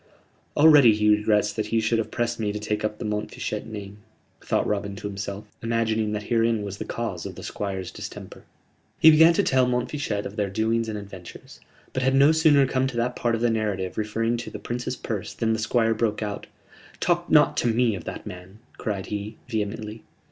"Already he regrets that he should have pressed me to take up the Montfichet name," thought Robin to himself, imagining that herein was the cause of the Squire's distemper. He began to tell Montfichet of their doings and adventures: but had no sooner come to that part of the narrative referring to the Prince's purse than the Squire broke out: "Talk not to me of that man," cried he, vehemently.